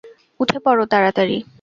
উঠে পড়ো, তাড়াতাড়ি।